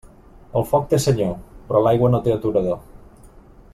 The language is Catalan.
El foc té senyor, però l'aigua no té aturador.